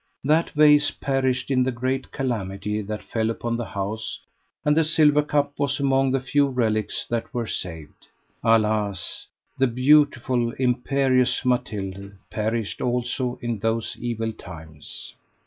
That vase perished in the great calamity that fell upon the house, and the silver cup was among the few relics that were saved. Alas! the beautiful, imperious Mathilde perished also in those evil times.